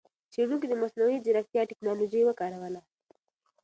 څېړونکو د مصنوعي ځېرکتیا ټکنالوجۍ وکاروله.